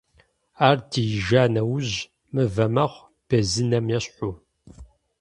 Ар диижа нэужь мывэ мэхъу, безынэм ещхьу.